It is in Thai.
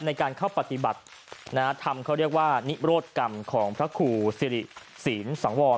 ในการเข้าปฏิบัติธรรมเขาเรียกว่านิโรธกรรมของพระครูสิริศีลสังวร